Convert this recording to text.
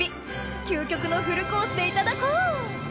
究極のフルコースでいただこう！